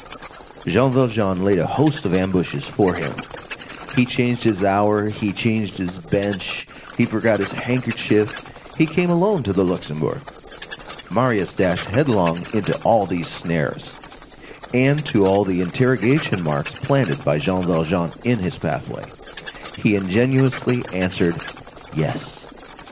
Jean Valjean laid a host of ambushes for him; he changed his hour, he changed his bench, he forgot his handkerchief, he came alone to the Luxembourg; Marius dashed headlong into all these snares; and to all the interrogation marks planted by Jean Valjean in his pathway, he ingenuously answered "yes."